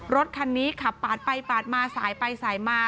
รถคันนี้ขับปาดไปปาดมาสายไปสายมา